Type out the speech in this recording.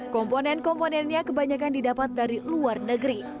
komponen komponennya kebanyakan didapat dari luar negeri